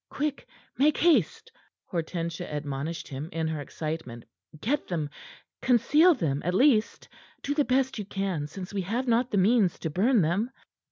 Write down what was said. "Quick! Make haste!" Hortensia admonished him in her excitement. "Get them! Conceal them, at least! Do the best you can since we have not the means to burn them."